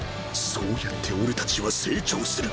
そうやって俺たちは成長する。